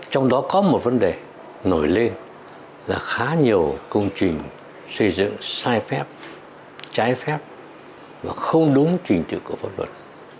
trong đó có một vấn đề nổi lên là khá nhiều công trình xây dựng sai phép trái phép và không đúng trình tự của pháp luật